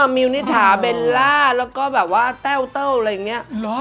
อ่อเมิวนิถาเบลล่าแล้วก็แบบว่าเต้าเต้าอะไรอย่างนี้